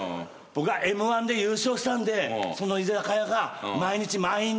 僕がＭ−１で優勝したんでその居酒屋が毎日満員で。